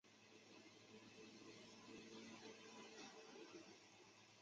北婆罗洲在入境与出境事务中有保留权。